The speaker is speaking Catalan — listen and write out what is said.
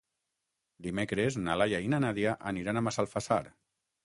Dimecres na Laia i na Nàdia aniran a Massalfassar.